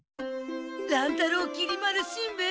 乱太郎きり丸しんべヱ